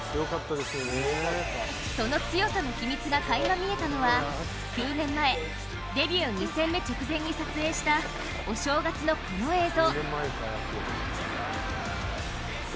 その強さの秘密がかいま見えたのは、９年前、デビュー２戦目直前に撮影したお正月のこの映像。